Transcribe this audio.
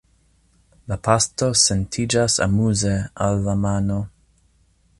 La pasto sentiĝas amuze al la mano.